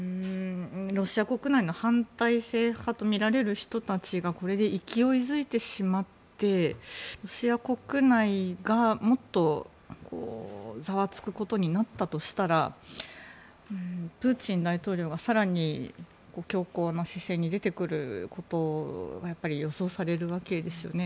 ロシア国内の反体制派とみられる人たちがこれで勢い付いてしまってロシア国内がもっとざわつくことになったとしたらプーチン大統領が更に強硬な姿勢に出てくることがやっぱり予想されるわけですよね。